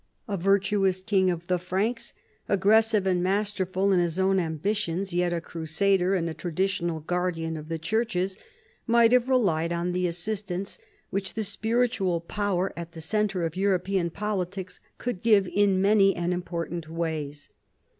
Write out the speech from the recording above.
A virtuous king of the Franks, aggressive and masterful in his own am bitions, yet a Crusader and a traditional guardian of the churches, might have relied on the assistance which the spiritual power at the centre of European politics could give in many and important ways.